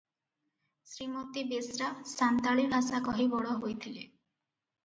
ଶ୍ରୀମତୀ ବେଶ୍ରା ସାନ୍ତାଳୀ ଭାଷା କହି ବଡ଼ ହୋଇଥିଲେ ।